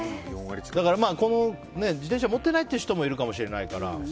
だから、自転車を持っていない人もいるかもしれないから。